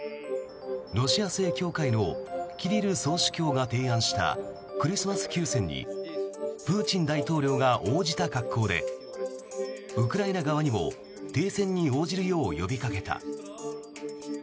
ロシア正教会のキリル総主教が提案したクリスマス休戦にプーチン大統領が応じた格好でウクライナ側にも停戦に応じるよう呼びかけた。